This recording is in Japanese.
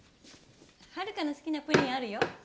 ハルカの好きなプリンあるよ。